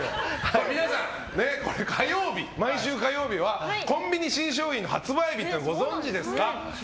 皆さん、毎週火曜日はコンビニ新商品の発売日ってご存じですか？